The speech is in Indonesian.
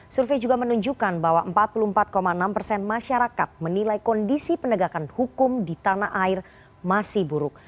survei juga menunjukkan bahwa empat puluh empat enam persen masyarakat menilai kondisi penegakan hukum di tanah air masih buruk